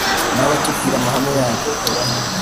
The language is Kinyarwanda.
n’abatubwira amahame yabyo